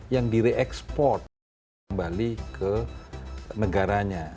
yang direkspor kembali ke negaranya